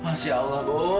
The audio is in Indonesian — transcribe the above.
masya allah bu